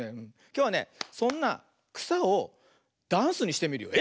きょうはねそんなくさをダンスにしてみるよ。